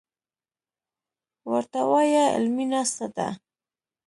ورته وايه علمي ناسته ده.